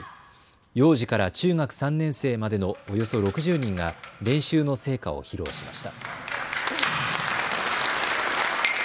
幼児から中学３年生までのおよそ６０人が練習の成果を披露しました。